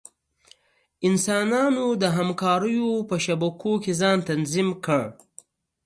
انسانان د همکاریو په شبکو کې ځان تنظیم کړل.